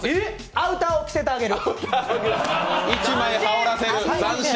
アウターを着せてあげる。